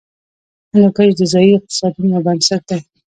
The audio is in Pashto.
هندوکش د ځایي اقتصادونو یو بنسټ دی.